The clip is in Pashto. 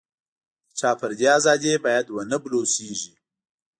د چا فردي ازادي باید ونه بلوسېږي.